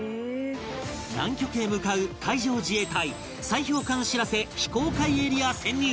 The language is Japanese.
南極へ向かう海上自衛隊砕氷艦「しらせ」非公開エリア潜入